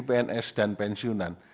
pns dan pensiunan